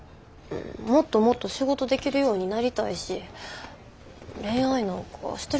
もっともっと仕事できるようになりたいし恋愛なんかしてる